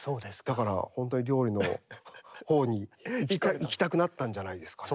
だから本当に料理のほうにいきたくなったんじゃないですかね。